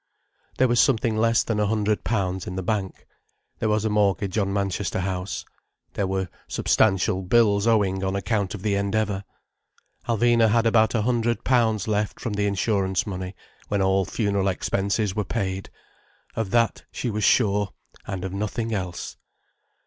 There was something less than a hundred pounds in the bank. There was a mortgage on Manchester House. There were substantial bills owing on account of the Endeavour. Alvina had about a hundred pounds left from the insurance money, when all funeral expenses were paid. Of that she was sure, and of nothing else.